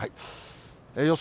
予想